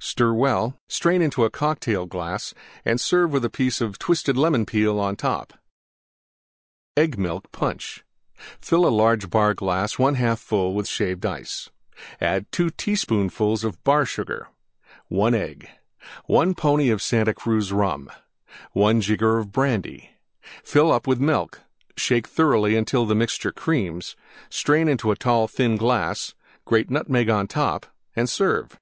Stir well; strain into Cocktail glass and serve with a piece of twisted Lemon Peel on top. EGG MILK PUNCH Fill large Bar glass 1/2 full Shaved Ice. 2 teaspoonfuls Bar Sugar. 1 Egg 1 pony Santa Cruz Rum. 1 jigger Brandy. Fill up with Milk; shake thoroughly until the mixture creams; strain into tall thin glass; grate Nutmeg on top and serve.